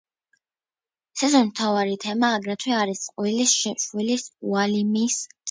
სეზონის მთავარი თემა აგრეთვე არის წყვილის შვილის, უილიამის ძიება.